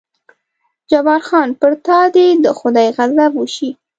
جبار خان: پر تا دې د خدای غضب وشي.